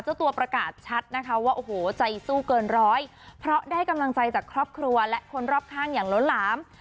เจ้าตัวประกาศชัดนะคะว่าโอ้โหใจสู้เกินร้อยเพราะได้กำลังใจจากครอบครัวและคนรอบข้างอย่างล้นหลาม